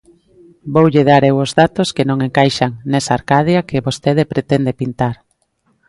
Voulle dar eu os datos que non encaixan nesa Arcadia que vostede pretende pintar.